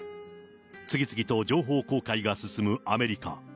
次々と情報公開が進むアメリカ。